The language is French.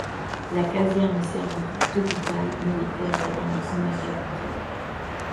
La caserne servit d’hôpital militaire durant la Première Guerre mondiale.